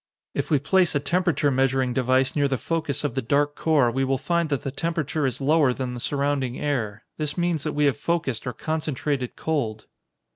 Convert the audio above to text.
If we place a temperature measuring device near the focus of the dark core, we will find that the temperature is lower than the surrounding air. This means that we have focused or concentrated cold."